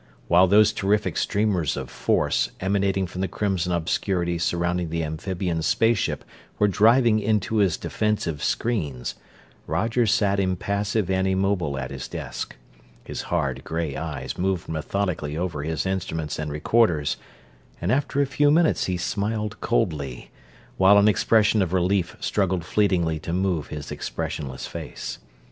While those terrific streamers of force emanating from the crimson obscurity surrounding the amphibians' space ship were driving into his defensive screens, Roger sat impassive and immobile at his desk. His hard gray eyes moved methodically over his instruments and recorders; and after a few minutes he smiled coldly, while an expression of relief struggled fleetingly to move his expressionless face.